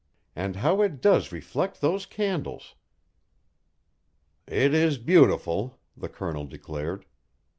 And how it does reflect those candles!" "It is beautiful," the Colonel declared.